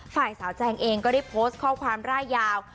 ฝ่ายสาวแจงเองก็ได้โพสต์ข้อความร่ายยาว